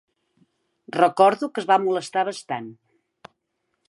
Recordo que es va molestar bastant.